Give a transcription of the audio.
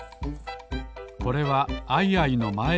これはアイアイのまえあし。